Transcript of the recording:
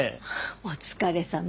お疲れさま。